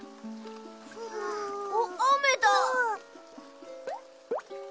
おっあめだ。